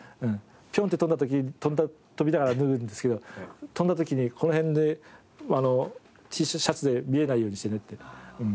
ピョンって跳んだ時跳びながら脱ぐんですけど跳んだ時にこの辺でＴシャツで見えないようにしてねって。